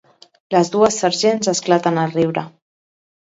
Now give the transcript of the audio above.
Les dues sergents esclaten a riure.